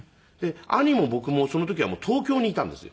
兄も僕もその時は東京にいたんですよ。